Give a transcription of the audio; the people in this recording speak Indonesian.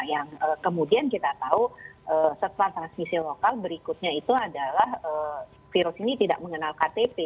yang kemudian kita tahu setelah transmisi lokal berikutnya itu adalah virus ini tidak mengenal ktp